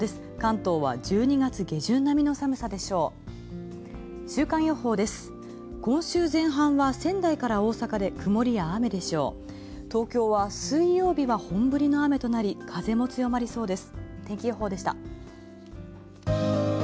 東京は水曜日は本降りの雨となり風も強まりそうです。